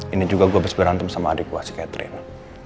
ini juga gue berantem sama adik gue si catherine